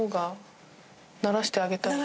ならしてあげたい？